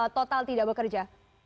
total tidak bekerja